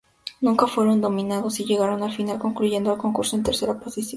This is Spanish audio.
Nunca fueron nominados y llegaron a la final concluyendo el concurso en tercera posición.